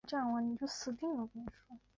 元时为大汗蒙哥之子昔里吉封地。